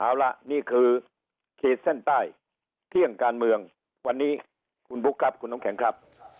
เอาล่ะนี่คือขีดเส้นใต้เที่ยงการเมืองวันนี้คุณบุ๊คครับคุณน้ำแข็งครับ